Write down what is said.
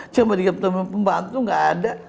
cuma di tempat pembantu gak ada